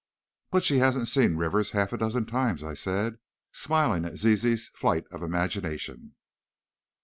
"But she hasn't seen Rivers half a dozen times," I said, smiling at Zizi's flight of imagination.